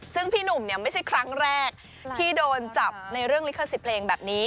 ซึ่งพี่หนุ่มเนี่ยไม่ใช่ครั้งแรกที่โดนจับในเรื่องลิขสิทธิ์เพลงแบบนี้